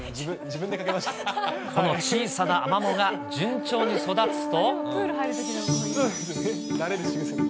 この小さなアマモが順調に育つと。